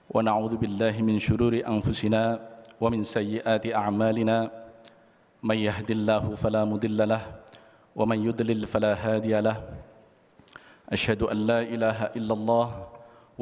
walau hanya dalam di pipiku